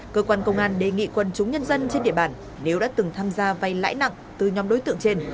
cơ quan công an đề nghị quân chúng nhân dân trên địa bàn nếu đã từng tham gia vay lãi nặng từ nhóm đối tượng trên